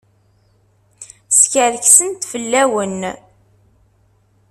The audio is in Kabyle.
Skerksent fell-awen.